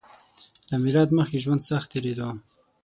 له میلاد مخکې ژوند سخت تېریدو